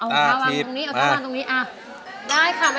เอางานอีกทางนี้